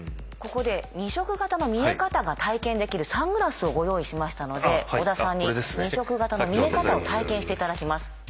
ここで２色型の見え方が体験できるサングラスをご用意しましたので織田さんに２色型の見え方を体験して頂きます。